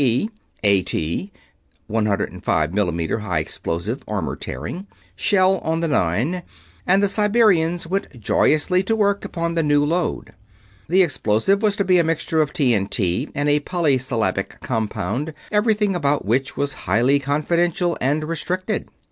E., A.T. (105 m/m High Explosive, Armor Tearing) shell on the Nine, and the Siberians went joyously to work upon the new load. The explosive was to be a mixture of TNT and a polysyllabic compound, everything about which was highly confidential and restricted.